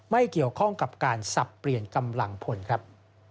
ไม่เกี่ยวข้องกับการสับเปลี่ยนกำลังพลครับ